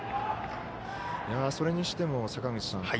それにしても坂口さん